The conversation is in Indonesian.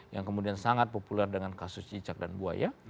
yang kemudian sangat populer dengan kasus cicak dan buaya